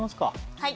はい。